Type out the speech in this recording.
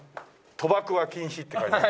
「賭博は禁止」って書いてある。